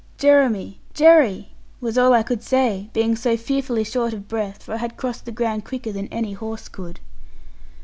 'Jeremy, Jerry,' was all I could say, being so fearfully short of breath; for I had crossed the ground quicker than any horse could.